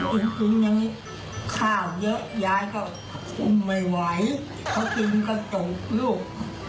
มันจะกินข้าวเยอะยายก็ไม่ไหวเพราะกินก็ตกลูก